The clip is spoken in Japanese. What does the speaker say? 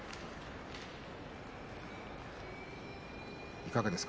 いかがですか。